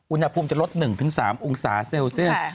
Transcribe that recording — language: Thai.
อุณหภูมิจะลด๑๓องศาเซลเซียส